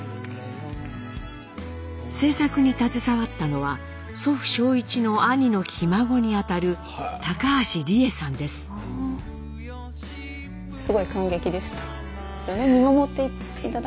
制作に携わったのは祖父正一の兄のひ孫にあたる高橋理恵さんです。